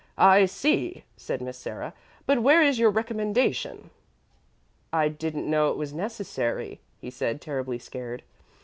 "'I see,' said Miss Sarah; 'but where is your recommendation?' "'I didn't know it was necessary,' he said, terribly scared.